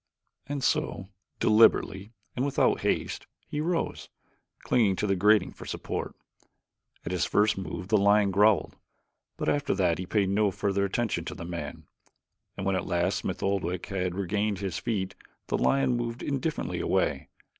And so, deliberately and without haste, he rose, clinging to the grating for support. At his first move the lion growled, but after that he paid no further attention to the man, and when at last Smith Oldwick had regained his feet the lion moved indifferently away.